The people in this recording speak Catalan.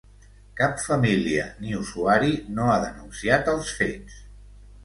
Cap família ni usuari no ha denunciat els fets.